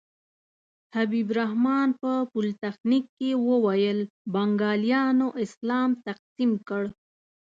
حبیب الرحمن په پولتخنیک کې وویل بنګالیانو اسلام تقسیم کړ.